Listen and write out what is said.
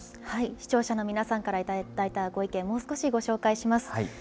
視聴者の皆さんから頂いたご意見、もう少しご紹介します。